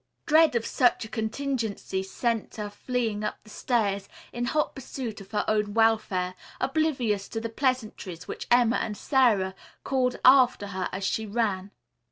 Dread of such a contingency sent her fleeing up the stairs in hot pursuit of her own welfare, oblivious to the pleasantries which Emma and Sara called after her as she ran.